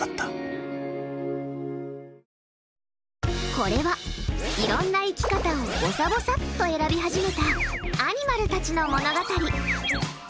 これは、いろんな生き方をぼさぼさっと選び始めたアニマルたちの物語。